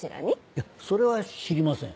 いやそれは知りません。